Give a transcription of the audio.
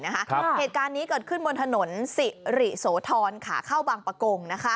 เหตุการณ์นี้เกิดขึ้นบนถนนสิริโสธรขาเข้าบางประกง